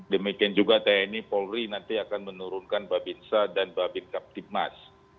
demikian juga tni polri nanti akan menurunkan babinsa dan babin kaptipmas